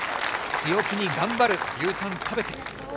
強気に頑張る、牛タン食べて。